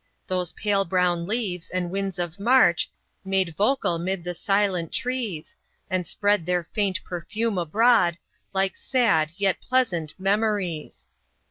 Those pale brown leaves the winds of March Made vocal 'mid the silent trees, And spread their faint perfume abroad, Like sad, yet pleasant memories.